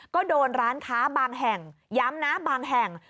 ก็โดนร้านค้าบางแห่งย้ำนะบางแห่ง